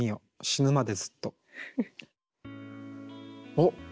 おっ！